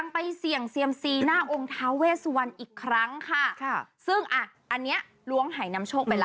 ไปเสี่ยงเซียมซีหน้าองค์ท้าเวสวันอีกครั้งค่ะค่ะซึ่งอ่ะอันเนี้ยล้วงหายนำโชคไปแล้ว